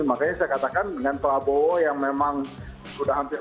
makanya saya katakan dengan prabowo yang memang sudah hampir